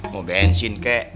mau bensin kek